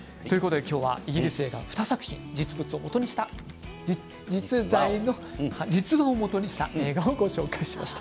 今日はイギリス映画２作品実在の実話をもとにした映画をご紹介しました。